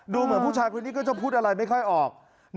เหมือนผู้ชายคนนี้ก็จะพูดอะไรไม่ค่อยออก